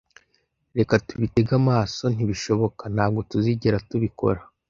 Reka tubitege amaso, ntibishoboka. Ntabwo tuzigera tubikora.